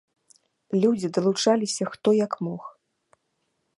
Людзі далучаліся, хто як мог.